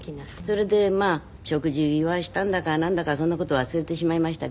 それでまあ食事はしたんだかなんだかそんな事忘れてしまいましたけど。